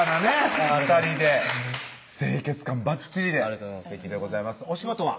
お２人で清潔感ばっちりですてきでございますお仕事は？